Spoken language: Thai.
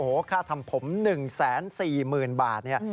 โอ้โหค่าทำผม๑๔๐๐๐บาทเนี่ย